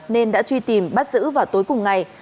nên đã truy tìm bắt giữ vào tối cùng ngày